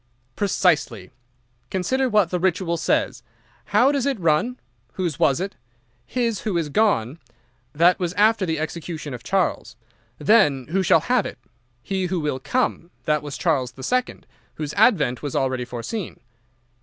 "'Precisely. Consider what the Ritual says: How does it run? "Whose was it?" "His who is gone." That was after the execution of Charles. Then, "Who shall have it?" "He who will come." That was Charles the Second, whose advent was already foreseen.